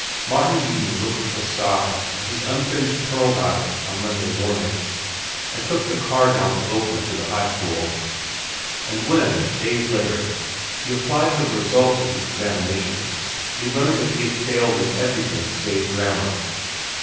Martin Eden looked with a sigh at his unfinished "Pearl diving" on Monday morning, and took the car down to Oakland to the high school. And when, days later, he applied for the results of his examinations, he learned that he had failed in everything save grammar.